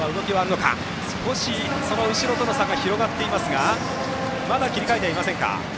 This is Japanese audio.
後ろとの差が広がっていますがまだ切り替えていませんか？